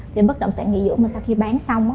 thì bất động sản nghị dưỡng sau khi bán xong